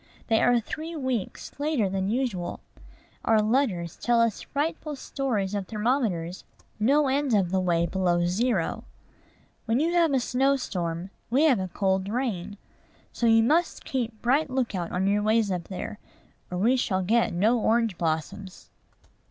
They are three weeks later than usual. Our letters tell us frightful stories of thermometers no end of the way below zero. When you have a snow storm, we have a cold rain: so you must keep bright lookout on your ways up there, or we shall get no orange blossoms.